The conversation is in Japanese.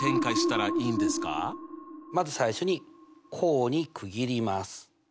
まず最初に項に区切ります。